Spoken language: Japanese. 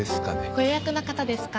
ご予約の方ですか？